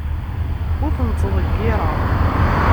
Ur ten-ttḍeyyireɣ.